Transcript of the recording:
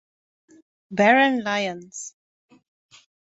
Baron Lyons.